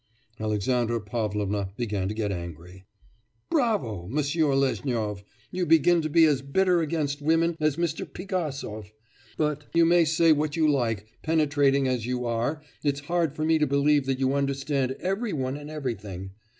Alexandra Pavlovna began to get angry. 'Bravo, Monsieur Lezhnyov! You begin to be as bitter against women as Mr. Pigasov; but you may say what you like, penetrating as you are, it's hard for me to believe that you understand every one and everything.